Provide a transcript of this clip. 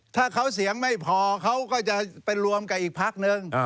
ถ้าเขาเสียงไม่พอเขาก็จะไปรวมกับอีกพักนึง